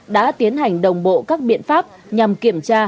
đã tiến hành đồng bộ các biện pháp nhằm kiểm tra